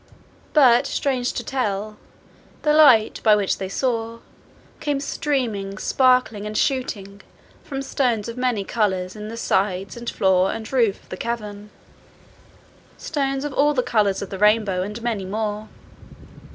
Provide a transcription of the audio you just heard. But, strange to tell, the light by which they saw came streaming, sparkling, and shooting from stones of many colours in the sides and roof and floor of the cavern stones of all the colours of the rainbow, and many more.